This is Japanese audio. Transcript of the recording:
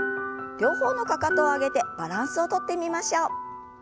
両方のかかとを上げてバランスをとってみましょう。